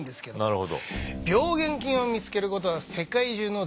なるほど。